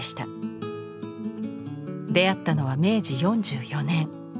出会ったのは明治４４年。